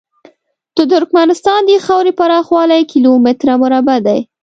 د ترکمنستان د خاورې پراخوالی کیلو متره مربع دی.